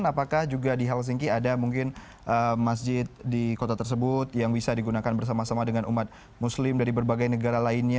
apakah juga di helsinki ada mungkin masjid di kota tersebut yang bisa digunakan bersama sama dengan umat muslim dari berbagai negara lainnya